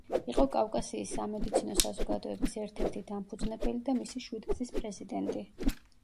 იყო კავკასიის სამედიცინო საზოგადოების ერთ-ერთი დამფუძნებელი და მისი შვიდგზის პრეზიდენტი.